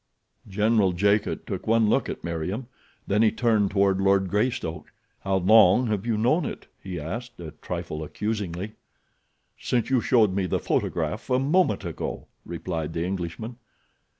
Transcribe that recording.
General Jacot took one look at Meriem, then he turned toward Lord Greystoke. "How long have you known it?" he asked, a trifle accusingly. "Since you showed me that photograph a moment ago," replied the Englishman.